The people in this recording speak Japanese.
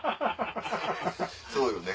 そうよね。